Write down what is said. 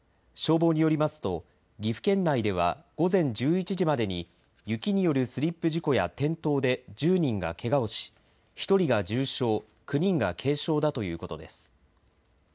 消防によりますと岐阜県内では午前１１時までに雪によるスリップ事故や転倒で１０人がけがをし１人が重傷、９人が軽傷だということです。